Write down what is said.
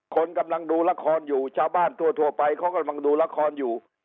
คนกำลังดูละครอยู่ชาวบ้านทั่วไปเขากำลังดูละครอยู่